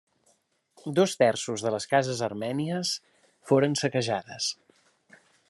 Dos terços de les cases armènies foren saquejades.